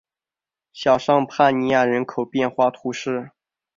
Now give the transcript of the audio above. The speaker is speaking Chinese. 小尚帕尼亚人口变化图示